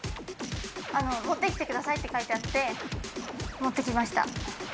「持ってきてください」って書いてあって持ってきました。